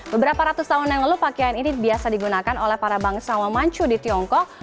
beberapa ratus tahun yang lalu pakaian ini biasa digunakan oleh para bangsa wamancu di tiongkok